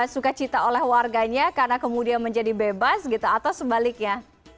sukacita oleh warganya karena kemudian menjadi bebas gitu atau sebaliknya